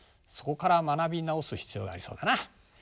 そこから学び直す必要がありそうだな。